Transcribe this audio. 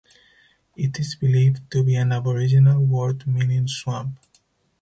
It is believed to be an Aboriginal word meaning "swamp".